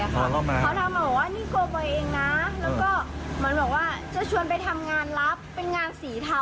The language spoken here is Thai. แล้วก็มันบอกว่าจะชวนไปทำงานลับเป็นงานสีเทา